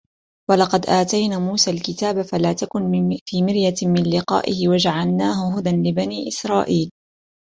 ولقد آتينا موسى الكتاب فلا تكن في مرية من لقائه وجعلناه هدى لبني إسرائيل